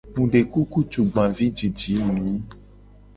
Mu de kuku tugbavijiji mu nyi.